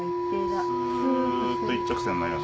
スっと一直線になります。